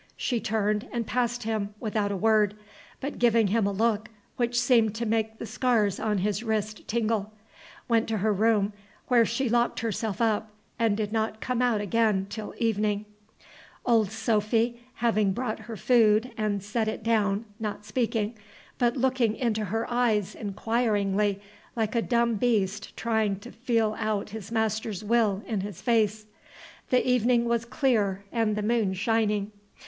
She turned and passed him without a word, but giving him a look which seemed to make the scars on his wrist tingle, went to her room, where she locked herself up, and did not come out again till evening, Old Sophy having brought her food, and set it down, not speaking, but looking into her eyes inquiringly, like a dumb beast trying to feel out his master's will in his face. The evening was clear and the moon shining.